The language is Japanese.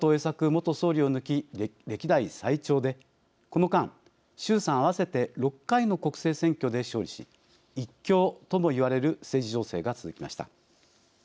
元総理を抜き歴代最長でこの間、衆参合わせて６回の国政選挙で勝利し１強ともいわれる政治情勢が続きました。